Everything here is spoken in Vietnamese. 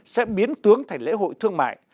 sẽ biến tướng thành lễ hội thương mại